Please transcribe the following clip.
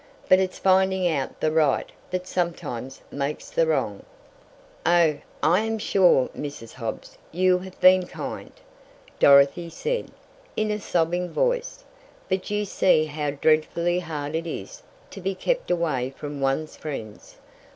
But it's finding out the right that sometimes makes the wrong." "Oh, I am sure Mrs. Hobbs you have been kind," Dorothy said, in a sobbing voice, "but you see how dreadfully hard it is to be kept away from one's friends.